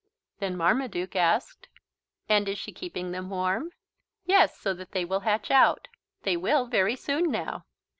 Then Marmaduke asked: "And is she keeping them warm?" "Yes, so that they will hatch out. They will, very soon now."